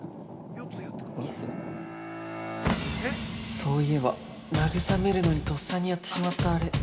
（そういえば、なぐさめるのにとっさにやってしまったあれ。